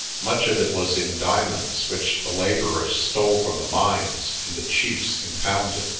Much of it was in diamonds, which the labourers stole from the mines and the chiefs impounded.